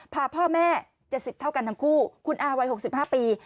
พาพ่อแม่๗๐เท่ากันทั้งคู่คุณอาวัย๖๕ปี